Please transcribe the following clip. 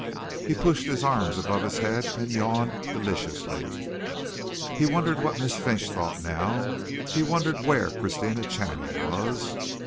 He pushed his arms above his head and yawned deliciously. He wondered what Miss Finch thought now. He wondered where Christina Channing was.